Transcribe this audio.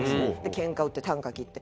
けんか売って啖呵切って。